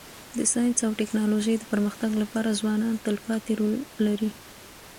د ساینس او ټکنالوژی د پرمختګ لپاره ځوانان تلپاتي رول لري.